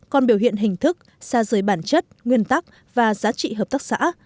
còn biểu hiện hình thức xa dưới bản chất nguyên tắc và giá trị hợp tác xã